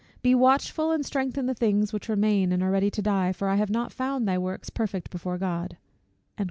Be watchful, and strengthen the things which remain that are ready to die; for I have not found thy works perfect before God."